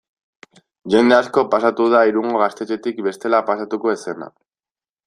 Jende asko pasatu da Irungo gaztetxetik bestela pasatuko ez zena.